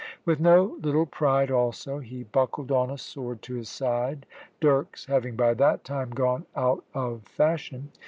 With no little pride also he buckled on a sword to his side, dirks having by that time gone out of fashion.